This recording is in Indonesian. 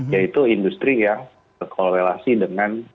yaitu industri yang berkorelasi dengan